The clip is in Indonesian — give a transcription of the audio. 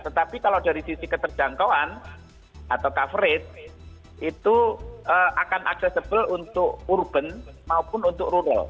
tetapi kalau dari sisi keterjangkauan atau coverage itu akan accessible untuk urban maupun untuk rural